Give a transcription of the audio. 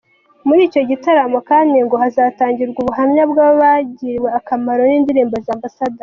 Muri icyo gitaramo kandi ngo hazatangirwamo ubuhamya bw’abagiriwe akamaro n’indirimbo za Ambassadors.